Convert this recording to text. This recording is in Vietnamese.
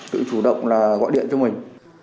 tự chủ động là gọi điện cho mình